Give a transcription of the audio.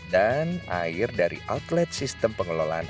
dan air dari outlet sistem pengelolaan